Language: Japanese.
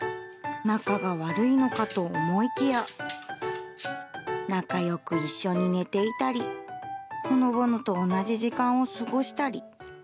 仲が悪いのかと思いきや、仲よく一緒に寝ていたり、ほのぼのと同じ時間を過ごしたり。